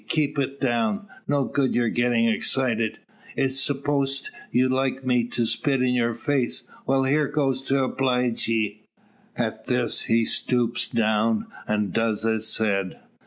Keep it down. No good your gettin' excited. I s'pose you'd like me to spit in your face. Well, here goes to obleege ye." At this he stoops down, and does as said.